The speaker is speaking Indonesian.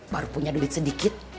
baru punya duit sedikit